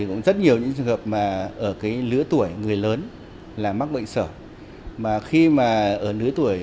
cũng rất nhiều những trường hợp mà ở cái lứa tuổi người lớn là mắc bệnh sở mà khi mà ở lứa tuổi